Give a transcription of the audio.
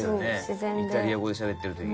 イタリア語でしゃべってるとき。